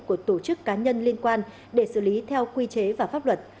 của tổ chức cá nhân liên quan để xử lý theo quy chế và pháp luật